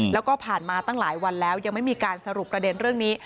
แล้วก็ผ่านมาตั้งหลายวันแล้วยังไม่มีการสรุปประเด็นเรื่องนี้